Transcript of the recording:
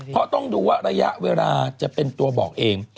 เพราะต้องดูว่าระยะเวลาจะเป็นตัวบอกเอง